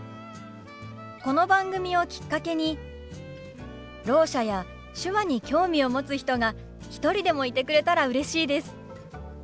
この番組をきっかけにろう者や手話に興味を持つ人が一人でもいてくれたらうれしいです。